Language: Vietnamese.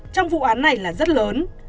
trong vụ án này là rất lớn